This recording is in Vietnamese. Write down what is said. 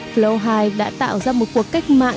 flow hive đã tạo ra một cuộc cách mạng